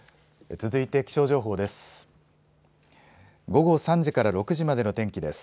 続いて気象情報です。